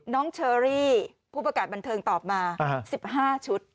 เชอรี่ผู้ประกาศบันเทิงตอบมา๑๕ชุด